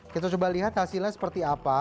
kita coba lihat hasilnya seperti apa